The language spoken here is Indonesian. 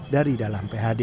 dari dalam phd